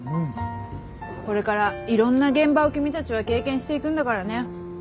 これからいろんな現場を君たちは経験していくんだからね。